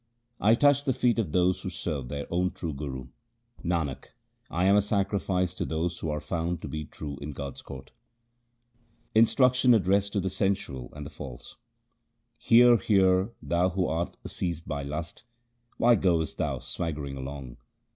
I touch the feet of those who serve their own true Guru. Nanak, I am a sacrifice to those who are found to be true in God's court. Instruction addressed to the sensual and the false :— Hear, hear, thou who art seized by lust, why goest thou swaggering along ?